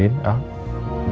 tidak tidak tidak